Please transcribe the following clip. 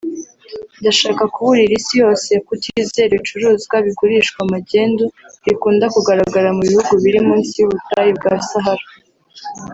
“Ndashaka kuburira isi yose kutizera ibicuruzwa bigurishwa magendu bikunda kugaragara mu bihugu biri munsi y’ubutayu bwa Sahara…”